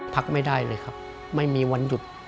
พักไม่ได้เลยครับไม่มีวันหยุด